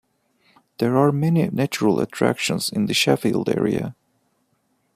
There are many natural attractions in the Sheffield area.